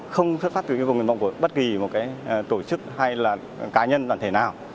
không xuất phát từ yêu cầu nguyện vọng của bất kỳ một tổ chức hay là cá nhân đoàn thể nào